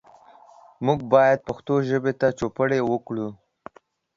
موږ باید پښتو ژبې ته چوپړ وکړو.